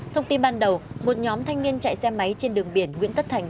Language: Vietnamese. thông tin ban đầu một nhóm thanh niên chạy xe máy trên đường biển nguyễn tất thành